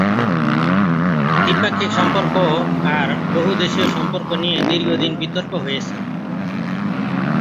দ্বিপাক্ষিক সম্পর্ক আর বহুদেশীয় সম্পর্ক নিয়ে দীর্ঘদিন বিতর্ক হয়েছে।